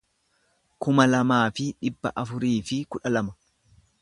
kuma lamaa fi dhibba afurii fi kudha lama